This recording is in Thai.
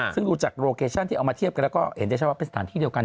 ซึ่งดูจากโลเคชั่นที่เอามาเทียบกันแล้วก็เห็นได้ชัดว่าเป็นสถานที่เดียวกัน